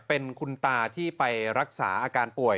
เป็นคุณตาที่ไปรักษาอาการป่วย